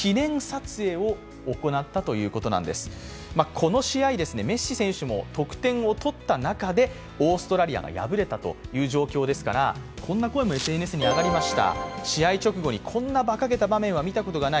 この試合、メッシ選手も得点を取った中でオーストラリアが敗れた状況ですから、こんな声もＳＮＳに上がりました。